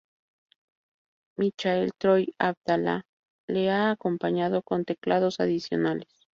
Michael Troy Abdallah le ha acompañado con teclados adicionales.